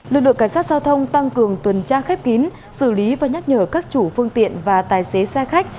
lực lượng cảnh sát giao thông tăng cường tuần tra khép kín xử lý và nhắc nhở các chủ phương tiện và tài xế xe khách